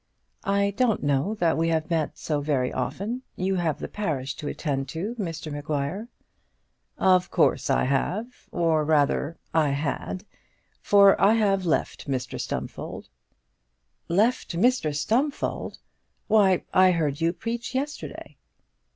"I don't know that we have met so very often. You have the parish to attend to, Mr Maguire." "Of course I have or rather I had, for I have left Mr Stumfold." "Left Mr Stumfold! Why, I heard you preach yesterday."